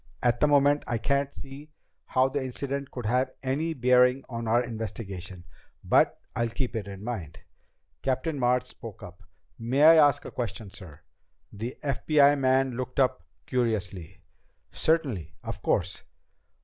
"At the moment I can't see how the incident could have any bearing on our investigation, but I'll keep it in mind." Captain March spoke up. "May I ask a question, sir?" The FBI man looked up curiously. "Certainly. Of course!"